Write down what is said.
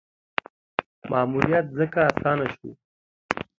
ماموریت ځکه اسانه شو.